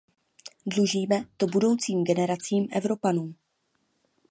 Dlužíme to budoucím generacím Evropanů.